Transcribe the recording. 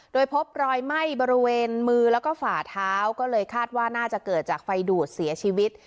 โดยพบรอยไหม้บริเวณมือแล้วก็ฝ่าเท้าก็เลยคาดว่าน่าจะเกิดจากไฟดูดเสียชีวิต